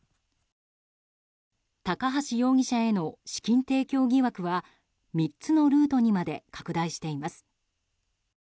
高橋容疑者への資金提供疑惑は３つのルートにまで拡大しています。